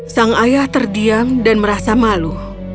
sang ayah terdiam dan merasa malu